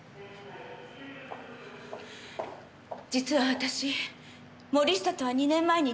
実は私森下とは２年前に離婚したんです。